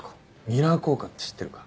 ミラー効果って知ってるか？